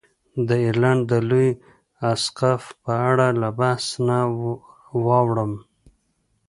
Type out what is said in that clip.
د ایرلنډ د لوی اسقف په اړه له بحث نه واوړم.